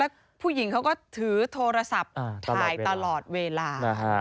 แล้วผู้หญิงเขาก็ถือโทรศัพท์ถ่ายตลอดเวลา